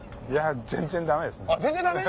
全然ダメですね。